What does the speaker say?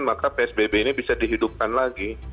maka psbb ini bisa dihidupkan lagi